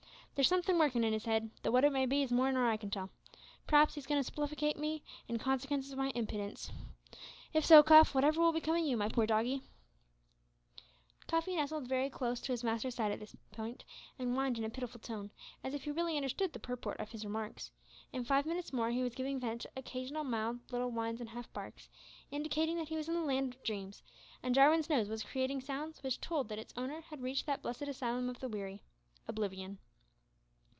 There's sumthin' workin' in 'is 'ead; tho' wot it may be is more nor I can tell. P'raps he's agoin' to spiflicate me, in consikence o' my impidence. If so, Cuff, whatever will became o' you, my poor little doggie!" Cuffy nestled very close to his master's side at this point, and whined in a pitiful tone, as if he really understood the purport of his remarks. In five minutes more he was giving vent to occasional mild little whines and half barks, indicating that he was in the land of dreams, and Jarwin's nose was creating sounds which told that its owner had reached that blessed asylum of the weary oblivion.